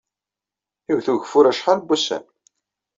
Iwet ugeffur acḥal n wussan.